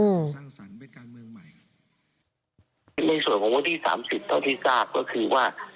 ในส่วนของวันที่๓๐เท่าที่ทราบก็คือว่า